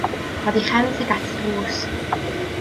Roedd ei chefn tuag at y drws.